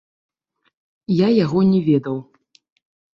Я яго не ведаў.